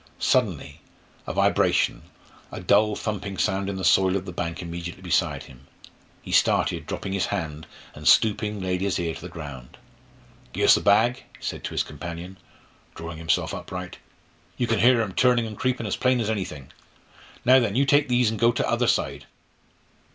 Suddenly a vibration, a dull thumping sound in the soil of the bank immediately beside him. He started, dropped his hand, and, stooping, laid his ear to the ground. "Gi' us the bag," he said to his companion, drawing himself upright. "You can hear 'em turnin' and creepin' as plain as anything. Now then, you take these and go t' other side."